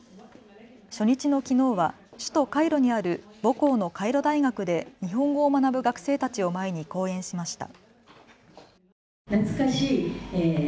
初日のきのうは首都カイロにある母校のカイロ大学で日本語を学ぶ学生たちを前に講演しました。